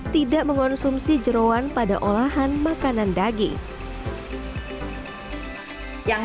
tidak mengonsumsi jerawan pada olahan makanan daging